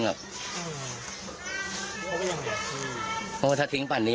มันก็คิดไปได้๑๐๘นะ